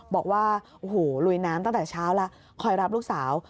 บอกว่าโอ้โหลุยน้ำตั้งแต่เช้าแล้วคอยรับลูกสาว